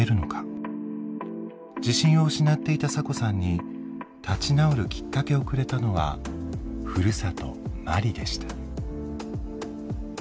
自信を失っていたサコさんに立ち直るきっかけをくれたのはふるさとマリでした。